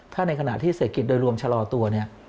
ถ้าในขณะที่เศรษฐกิจโดยรวมชะลอตัวเนี่ย